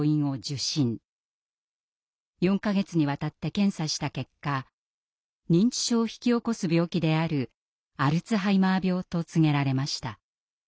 ４か月にわたって検査した結果認知症を引き起こす病気であるアルツハイマー病と告げられました。